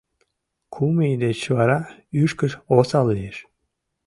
Кум ий деч вара ӱшкыж осал лиеш.